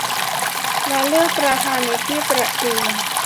และเลือกประธานในที่ประชุม